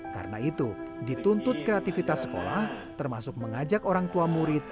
karena itu dituntut kreativitas sekolah termasuk mengajak orang tua murid